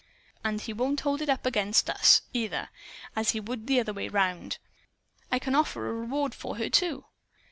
And he won't hold it up against US, either, as he would the other way. I can offer a reward for her, too."